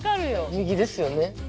右ですよね。